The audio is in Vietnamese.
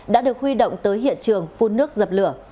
đã được huy động tới hiện trường phun nước dập lửa